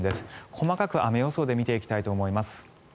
細かく、雨予想で見ていきたいと思います。